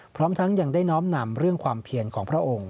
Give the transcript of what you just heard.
พร้อมทั้งยังได้น้อมนำเรื่องความเพียรของพระองค์